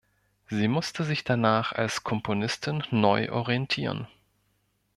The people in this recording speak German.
Sie musste sich danach als Komponistin neu orientieren.